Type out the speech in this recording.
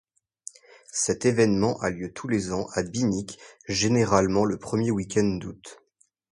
Cet événement a lieu tous les ans à Binic, généralement le premier week-end d'août.